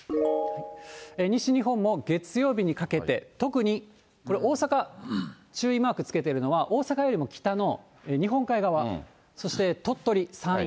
西日本も月曜日にかけて、特にこれ、大阪、注意マークつけてるのは、大阪よりも北の日本海側、そして鳥取、山陰。